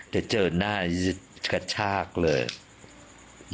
แต่เจอหน้าอีกกระชากเลย